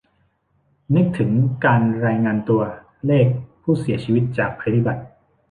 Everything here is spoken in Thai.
นึกถึงการรายงานตัวเลขผู้เสียชีวิตจากภัยพิบัติ